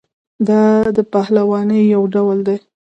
دا د پهلوانۍ یو ډول دی.